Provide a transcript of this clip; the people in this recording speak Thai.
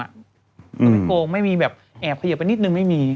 ก็ไม่โกงไม่มีแบบแอบเขยับไปนิดนึงไม่มี